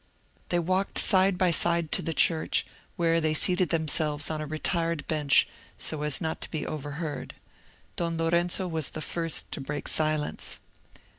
They walked side by side to the church, where they seated themselves on a retired bench, so as not to be overheard. Don Lorenzo was the first to break silence.